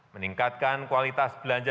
sehingga bahkan di saling mendengar